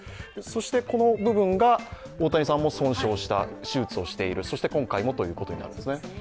そして、この部分が、大谷さんも手術した、損傷をしている、そして今回もということになるんですね。